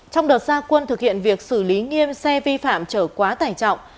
trong đợt gia quân thực hiện việc xử lý nghiêm xe vi phạm trở quá tải trọng